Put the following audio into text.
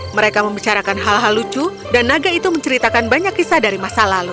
mereka membicarakan hal hal lucu dan naga itu menceritakan banyak kisah dari masa lalu